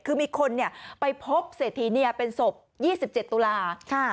คือมีคนไปพบเศรษฐีเนียเป็นศพ๒๗ตุลาคม